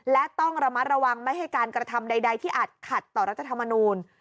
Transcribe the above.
และต้องระมัดระวังไม่ให้การกระทำใดที่อาจขัดต่อรัฐธรรมนูล